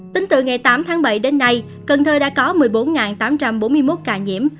tính từ ngày tám tháng bảy đến nay cần thơ đã có một mươi bốn tám trăm bốn mươi một ca nhiễm